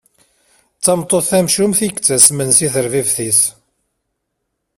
D tameṭṭut tamcumt i yettassmen si tarbibt-is.